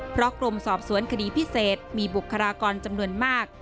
เพราะกรมสอบสวนคดีพิเศษมีบุคลากรจำนวนมาก